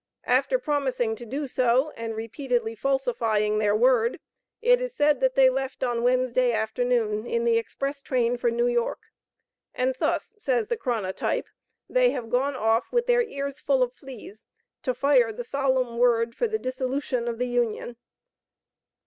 After promising to do so, and repeatedly falsifying their word, it is said that they left on Wednesday afternoon, in the express train for New York, and thus (says the Chronotype), they have "gone off with their ears full of fleas, to fire the solemn word for the dissolution of the Union!"